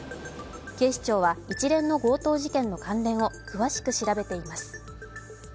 警視庁は一連の強盗事件の関連を詳しく調べています。